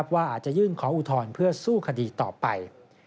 ว่าอาจจะยื่นขออุทธรณ์เพื่อสู้คดีต่อไป